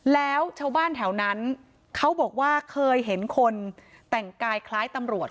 แล้วชาวบ้านแถวนั้นเขาบอกว่าเคยเห็นคนแต่งกายคล้ายตำรวจ